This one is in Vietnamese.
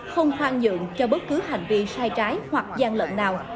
không hoan dựng cho bất cứ hành vi sai trái hoặc gian lận nào